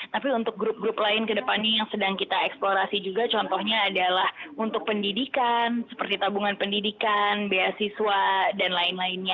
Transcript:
tapi untuk grup grup lain kedepannya yang sedang kita eksplorasi juga contohnya adalah untuk pendidikan seperti tabungan pendidikan beasiswa dan lain lainnya